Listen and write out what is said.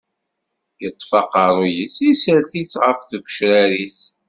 Yeṭṭef aqeṛṛu-s, isers-it ɣef tgecrar-is.